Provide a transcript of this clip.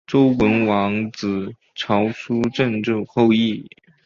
周文王子曹叔振铎后裔。